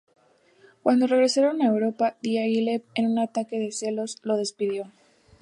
Cuando regresaron a Europa, Diáguilev, en un ataque de celos, lo despidió.